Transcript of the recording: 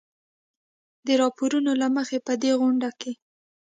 د راپورونو له مخې په دې غونډه کې